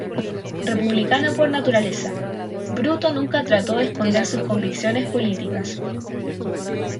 Republicano por naturaleza, Bruto nunca trató de esconder sus convicciones políticas.